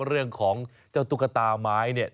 เรื่องของเจ้าตุ๊กตาไม้เนี่ย